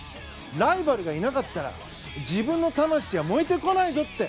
ライバルがいなかったら自分の魂は燃えてこないぞって。